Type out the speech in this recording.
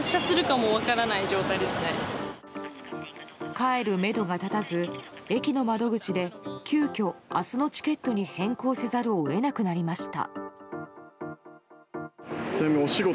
帰るめどが立たず駅の窓口で急きょ明日のチケットに変更せざるを得なくなりました。